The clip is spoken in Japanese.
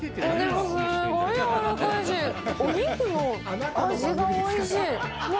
お肉の味がおいしい。